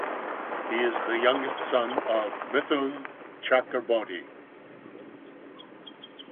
He is the youngest son of Mithun Chakraborty.